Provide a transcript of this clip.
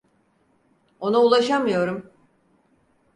Ona ulaşamıyorum.